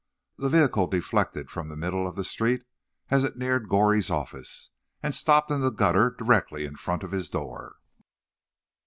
The vehicle deflected from the middle of the street as it neared Goree's office, and stopped in the gutter directly in front of his door.